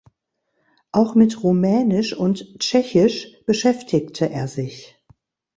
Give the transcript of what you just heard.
Auch mit Rumänisch und Tschechisch beschäftigte er sich.